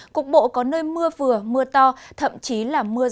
cục bộ có nơi mưa vừa mưa to thậm chí là mưa to